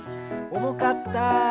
おもかった。